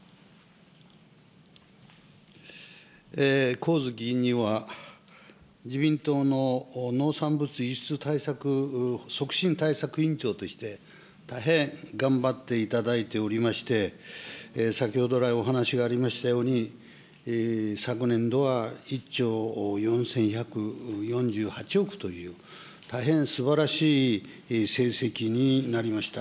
上月委員には、自民党の農産物輸出対策促進対策委員長として、大変頑張っていただいておりまして、先ほど来、お話がありましたように、昨年度は１兆４１４８億という、大変すばらしい成績になりました。